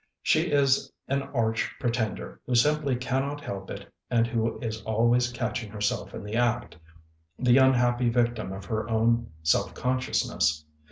She is an arch pretender who simply cannot help it and who is always catch ing herself in the act ŌĆö the unhappy victim of her own self consciousness.